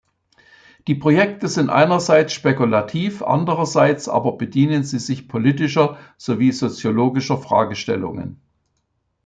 Die Projekte sind einerseits spekulativ andererseits aber bedienen sie sich politischer sowie soziologischer Fragestellungen.